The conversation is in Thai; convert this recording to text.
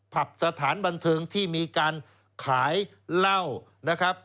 ผับสถานบันเทิงที่มีการขายเหล้านะครับ